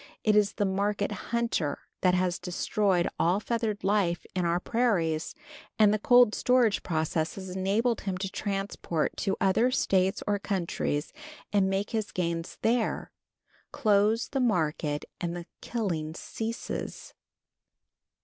It is the market hunter that has destroyed all feathered life on our prairies, and the cold storage process has enabled him to transport to other States or countries, and make his gains there. Close the market and the killing ceases.